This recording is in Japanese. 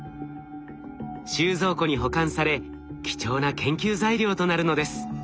収蔵庫に保管され貴重な研究材料となるのです。